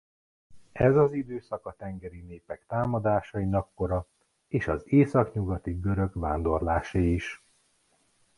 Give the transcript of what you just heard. Ez az időszak a tengeri népek támadásainak kora és az északnyugati görög vándorlásé is.